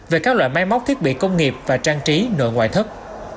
về các loại máy móc thiết bị công nghiệp và trang trí nội ngoại thất